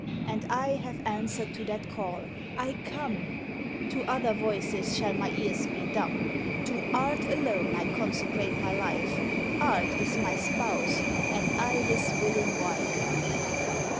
And I have answered to that call, 'I come'; To other voices shall my ears be dumb. To art alone I consecrate my life— Art is my spouse, and I his willing wife.